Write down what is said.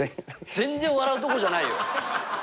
全然笑うとこじゃないよ。